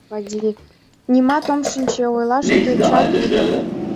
— Нимат ом шинче, — ойлаш тӧча тудо.